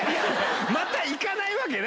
またいかないわけね？